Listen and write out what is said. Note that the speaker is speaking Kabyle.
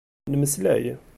Nemmeslay.